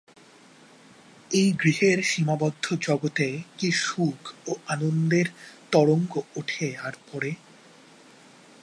এই গৃহের সীমাবদ্ধ জগতে কি সুখ ও আনন্দের তরঙ্গ ওঠে আর পড়ে?